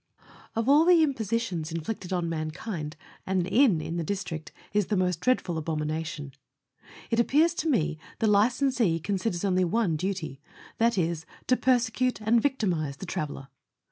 Of all the impositions inflicted on mankind an inn in the district is the most dreadful abomination. It appears to me the licensee considers only one duty, that is, to persecute and victimize the traveller.